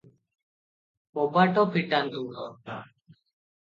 କବାଟ ଫିଟାନ୍ତୁ ।"